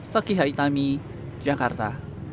fakihai tami jakarta